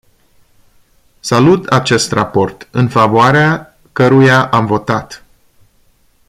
Salut acest raport, în favoarea căruia am votat.